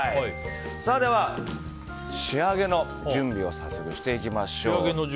では、仕上げの準備を早速していきましょう。